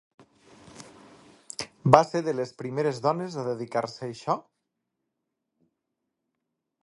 Va ser de les primeres dones a dedicar-se a això?